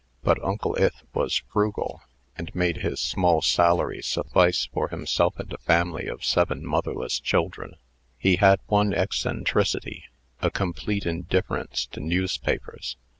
But Uncle Ith was frugal, and made his small salary suffice for himself and a family of seven motherless children. He had one eccentricity a complete indifference to newspapers.